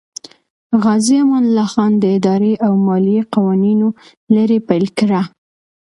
غازي امان الله خان د اداري او مالیې قوانینو لړۍ پیل کړه.